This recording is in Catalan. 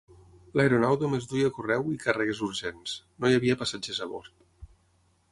L'aeronau només duia correu i càrregues urgents; no hi havia passatgers a bord.